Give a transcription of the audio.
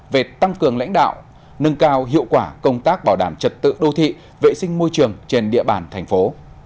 về tăng cường lãnh đạo nâng cao hiệu quả công tác bảo đảm trật tự đô thị vệ sinh môi trường trên địa bàn thành phố